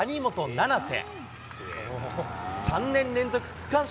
七星！